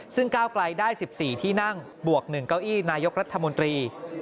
ซึ่งก้าวไกลได้๑๔ที่นั่งบวก๑เก้าอี้นายกรัฐมนตรี